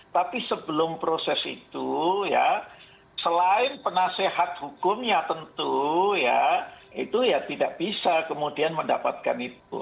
tapi sebelum proses itu ya selain penasehat hukumnya tentu ya itu ya tidak bisa kemudian mendapatkan itu